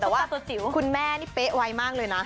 แต่ว่าคุณแม่นี่เป๊ะไวมากเลยนะ